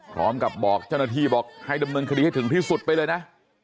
บอกเจ้าหน้าที่บอกให้ดำเนินคดีให้ถึงที่สุดไปเลยนะ